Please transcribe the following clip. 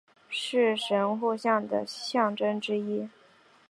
是神户港的象征之一。